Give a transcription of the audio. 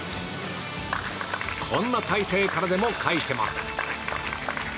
こんな体勢からでも返しています。